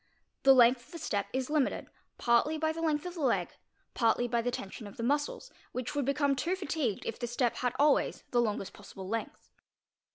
The length of the: step is limited, partly by the length of the leg, partly by the tensi | RUNNING 513 ; of the muscles, which would become too fatigued if the step had always } the longest possible length.